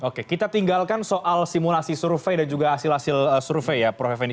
oke kita tinggalkan soal simulasi survei dan juga hasil hasil survei ya prof effendi